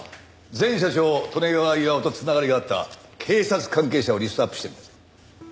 前社長利根川巌と繋がりがあった警察関係者をリストアップしてみた。